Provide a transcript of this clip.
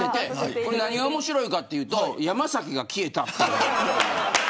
これ何が面白いかって言うと山崎が消えた。